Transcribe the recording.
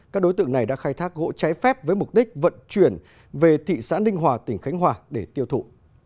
các đối tượng này đã khai thác gỗ trái phép với mục đích vận chuyển về thị xã ninh hòa tỉnh khánh hòa để tiêu thụ